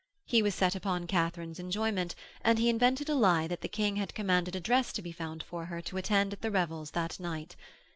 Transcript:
He was set upon Katharine's enjoyment, and he invented a lie that the King had commanded a dress to be found for her to attend at the revels that night.